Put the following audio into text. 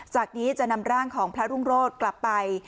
จากนี้จะนำร่างของพระรุ่งโรธกลับไป